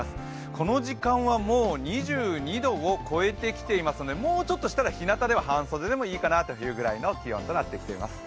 この時間はもう２２度を超えてきていますので、もうちょっとしたらひなたでは半袖でもいいかなという気温になってきています。